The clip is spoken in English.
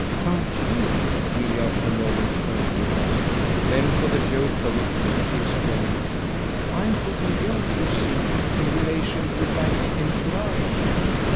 "Can't YOU?" Milly after a moment quaintly asked. Then for the joke of it she explained. "I'm putting you, you see, in relation with my entourage."